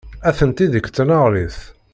Atenti deg tneɣrit.